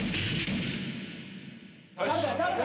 誰だ？